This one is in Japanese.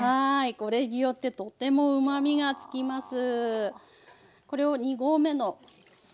これによってとてもうまみがつきます。